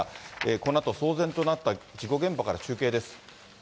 このあと騒然となった事故現場から中継です。